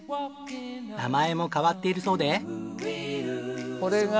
名前も変わっているそうで。